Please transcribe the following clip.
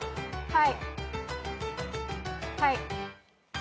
はい。